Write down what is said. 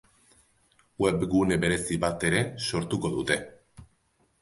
Webgune berezi bat ere sortuko dute.